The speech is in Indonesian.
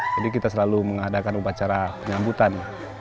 jadi kita selalu mengadakan upacara penyambutan